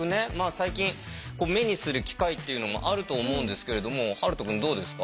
最近目にする機会っていうのもあると思うんですけれども遥斗くんどうですか？